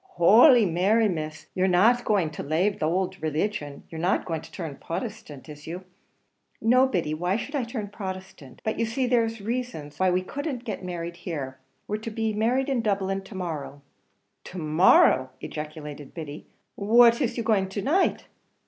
"Holy Mary! Miss, you're not a going to lave the ould religion; you're not a going to turn Prothesthant, is you, Miss Feemy?" "No, Biddy; why should I turn Protestant? but you see there's rasons why we couldn't be married here; we're to be married in Dublin, to morrow." "To morrow!" ejaculated Biddy; "what, is you going to night?"